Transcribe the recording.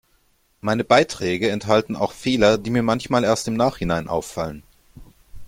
Meine Beiträge enthalten auch Fehler, die mir manchmal erst im Nachhinein auffallen.